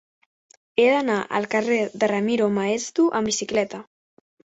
He d'anar al carrer de Ramiro de Maeztu amb bicicleta.